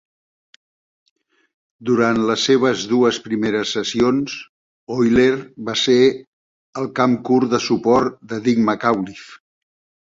Durant les seves dues primeres sessions, Oyler va ser el campcurt de suport de Dick McAuliffe.